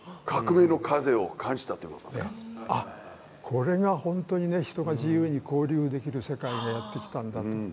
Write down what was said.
これが本当にね人が自由に交流できる世界がやって来たんだと。